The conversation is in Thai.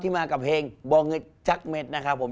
มากับเพลงบ่อเงินจักเม็ดนะครับผม